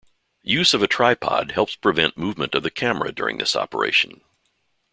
Use of a tripod helps prevent movement of the camera during this operation.